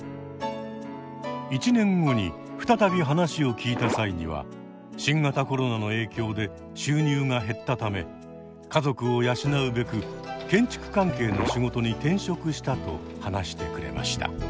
１年後に再び話を聞いた際には新型コロナの影響で収入が減ったため家族を養うべく建築関係の仕事に転職したと話してくれました。